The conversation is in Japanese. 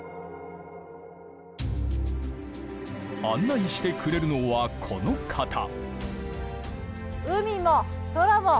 案内してくれるのはこの方。